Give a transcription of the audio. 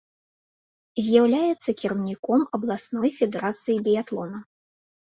З'яўляецца кіраўніком абласной федэрацыі біятлона.